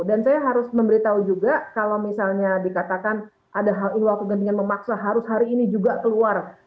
dan saya harus memberitahu juga kalau misalnya dikatakan ada hal hal kegantian memaksa harus hari ini juga keluar